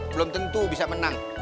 belum tentu bisa menang